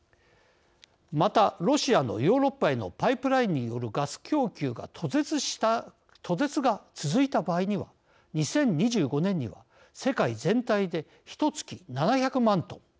また、ロシアのヨーロッパへのパイプラインによるガス供給が途絶が続いた場合には２０２５年には世界全体でひとつき７００万トン。